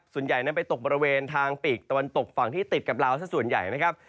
ส่วนใหญ่นั้นไปตกบริเวณทางปีกตะวันตกฝั่งที่ติดกับลาวสักส่วนใหญ่นะครับ